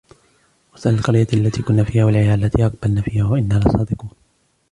واسأل القرية التي كنا فيها والعير التي أقبلنا فيها وإنا لصادقون